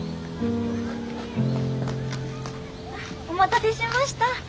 お待たせしました。